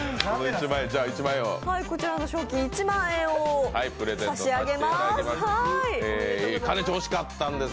こちらの賞金１万円をさしあげます。